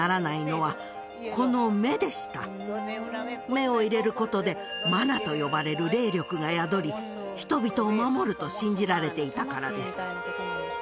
目を入れることでマナと呼ばれる霊力が宿り人々を守ると信じられていたからです